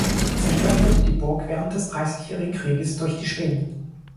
Zerstört wurde die Burg während des Dreißigjährigen Krieges durch die Schweden.